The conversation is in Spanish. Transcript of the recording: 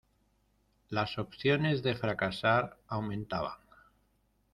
Las opciones de fracasar aumentaban.